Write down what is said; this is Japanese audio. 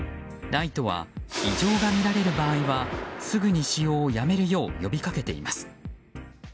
ＮＩＴＥは異常が見られる場合はすぐに使用をやめるよう呼びかけています。